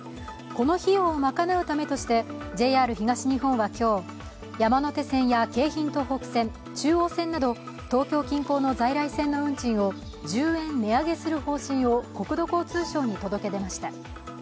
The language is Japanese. この費用を賄うためとして、ＪＲ東日本は今日、山手線や京浜東北線、中央線など東京近郊の在来線の運賃を１０円値上げする方針を国土交通省に届け出ました。